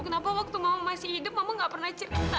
kenapa waktu mama masih hidup mama nggak pernah cerita